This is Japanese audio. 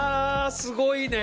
すごいね！